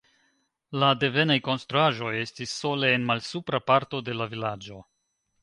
La devenaj konstruaĵoj estis sole en malsupra parto de la vilaĝo.